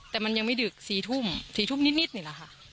แต่ยังไม่ดึกสี่ตุ่มนิดนี่ล่ะค่ะ